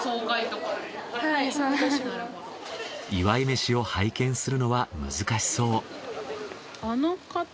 祝い飯を拝見するのは難しそう。